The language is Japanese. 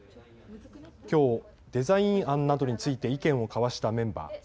きょうデザイン案などについて意見を交わしたメンバー。